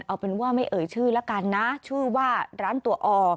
เอาเป็นว่าไม่เอ่ยชื่อแล้วกันนะชื่อว่าร้านตัวอ